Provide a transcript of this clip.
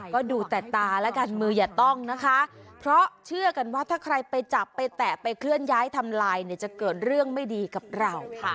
ก็ดูแต่ตาแล้วกันมืออย่าต้องนะคะเพราะเชื่อกันว่าถ้าใครไปจับไปแตะไปเคลื่อนย้ายทำลายเนี่ยจะเกิดเรื่องไม่ดีกับเราค่ะ